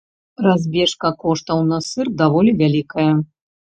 Разбежка коштаў на сыр даволі вялікая.